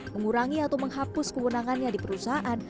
mengurangi atau menghapus kewenangannya di perusahaan